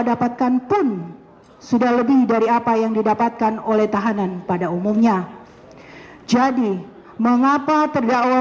dapatkan pun sudah lebih dari apa yang didapatkan oleh tahanan pada umumnya jadi mengapa terdakwa